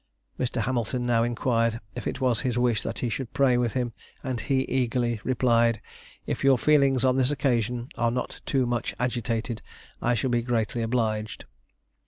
Mr. Hamilton now inquired if it was his wish that he should pray with him, and he eagerly replied, "If your feelings on this occasion are not too much agitated, I shall be greatly obliged."